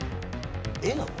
絵なの？